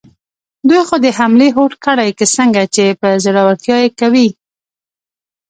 دوی خو د حملې هوډ کړی، که څنګه، چې په زړورتیا یې کوي؟